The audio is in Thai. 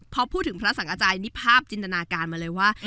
พอพูดถึงพระสังอาจารย์นี่ภาพจินตนาการมาเลยว่า